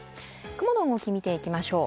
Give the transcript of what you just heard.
雲の動き見ていきましょう。